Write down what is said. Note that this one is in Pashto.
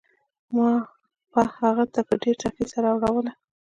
ما به هغه ته په ډېر تاکيد سره اوروله.